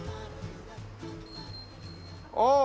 ああ。